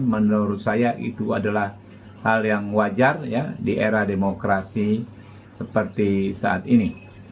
menurut saya itu adalah hal yang wajar di era demokrasi seperti saat ini